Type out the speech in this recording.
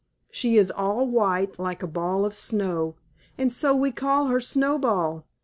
She is all white, like a ball of snow, and so we call her Snowball.